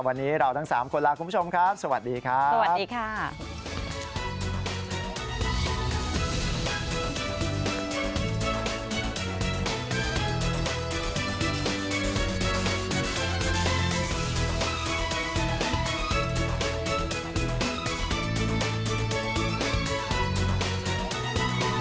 วันนี้เราทั้ง๓คนลาคุณผู้ชมครับสวัสดีครับ